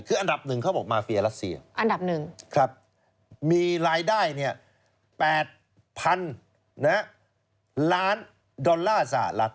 คืออันดับหนึ่งเขาบอกมาเฟียรัสเซียอันดับ๑มีรายได้๘๐๐๐ล้านดอลลาร์สหรัฐ